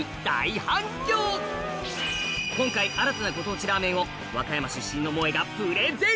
今回新たなご当地ラーメンを和歌山出身のもえがプレゼン！